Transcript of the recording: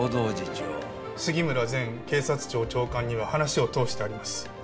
長杉村前警察庁長官には話を通してあります